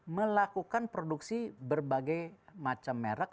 melakukan produksi berbagai macam merek